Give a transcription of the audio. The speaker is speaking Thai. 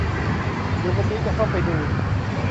เดี๋ยววันนี้จะเข้าไปดู